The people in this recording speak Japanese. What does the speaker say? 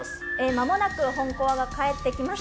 まもなく「ほん怖」が帰ってきます。